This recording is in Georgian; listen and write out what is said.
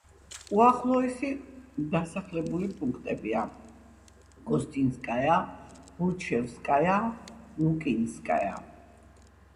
უახლოესი დასახლებული პუნქტებია: გოსტინსკაია, ბურჩევსკაია, ლუკინსკაია.